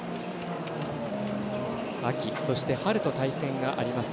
秋、春と対戦があります